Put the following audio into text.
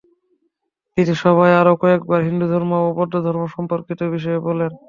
তিনি সভায় আরো কয়েকবার হিন্দুধর্ম ও বৌদ্ধধর্ম সম্পর্কিত বিষয়ে বলেন।